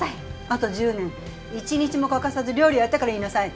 あと１０年一日も欠かさず料理をやってから言いなさい！